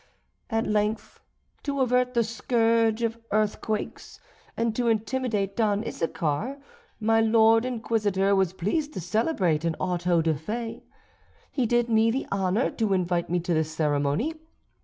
"At length, to avert the scourge of earthquakes, and to intimidate Don Issachar, my Lord Inquisitor was pleased to celebrate an auto da fé. He did me the honour to invite me to the ceremony.